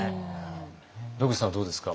野口さんはどうですか？